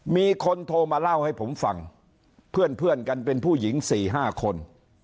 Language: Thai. มีคนโทรมาเล่าให้ผมฟังเพื่อนกันเป็นผู้หญิง๔๕คน